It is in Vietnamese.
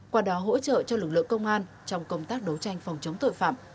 qua đó hỗ trợ cho lực lượng công an trong công tác đấu tranh phòng chống tội phạm